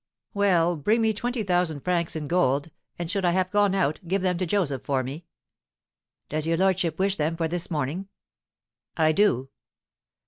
"Well, bring me twenty thousand francs in gold, and, should I have gone out, give them to Joseph for me." "Does your lordship wish for them this morning?" "I do."